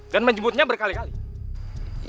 dan menjemputnya berkali kali